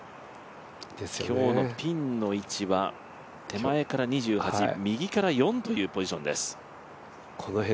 今日のピンの位置は手前から２８、右から４というポジションです。